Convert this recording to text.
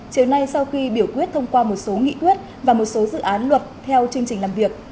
chiều nay sau khi biểu quyết thông qua một số nghị quyết và một số dự án luật theo chương trình làm việc